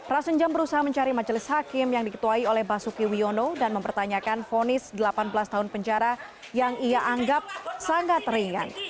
rasenjam berusaha mencari majelis hakim yang diketuai oleh basuki wiono dan mempertanyakan fonis delapan belas tahun penjara yang ia anggap sangat ringan